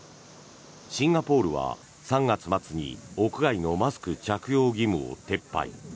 シンガポールは３月末に屋外のマスク着用義務を撤廃。